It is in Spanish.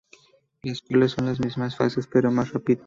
Las cuales son las mismas fases pero más rápido.